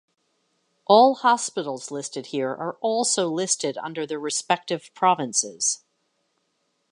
All hospitals listed here are also listed under their respective provinces.